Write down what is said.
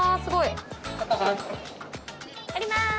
撮ります。